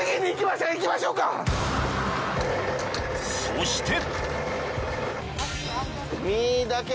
［そして］